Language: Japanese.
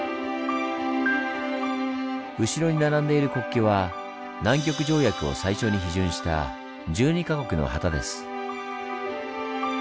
後ろに並んでいる国旗は南極条約を最初に批准した１２か国の旗です。